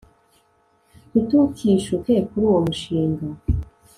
Ntitukishuke kuri uwo mushinga